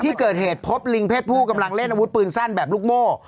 ที่เกิดเหตุพบลิงเพศผู้กำลังเล่นอาวุธปืนสั้นแบบลูกโม่